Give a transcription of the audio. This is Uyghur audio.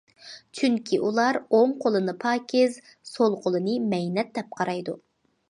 چۈنكى ئۇلار ئوڭ قولىنى پاكىز، سول قولىنى مەينەت دەپ قارايدۇ.